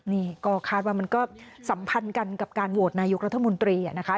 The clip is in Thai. นี่ก็คาดว่ามันก็สัมพันธ์กันกับการโหวตนายกรัฐมนตรีนะคะ